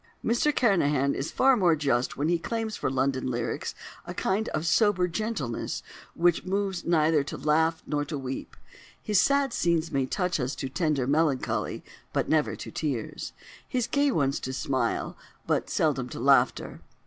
Mr Kernahan is far more just when he claims for "London Lyrics" a kind of sober gentleness which moves neither to laugh nor to weep: "his sad scenes may touch us to tender melancholy, but never to tears; his gay ones to smile, but seldom to laughter."